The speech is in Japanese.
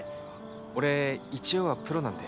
俺一応はプロなんで。